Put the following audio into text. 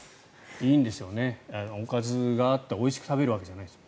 いいんですよね、おかずがあっておいしく食べるわけじゃない。